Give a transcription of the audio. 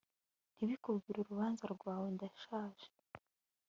Ntibikubwire urubanza rwawe ndashaje